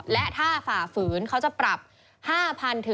และถ้าฝ่าฝืนเขาจะปรับ๕๐๐๐๕๐๐๐๐บาท